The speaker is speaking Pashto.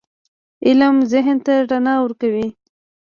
علم ذهن ته رڼا ورکوي.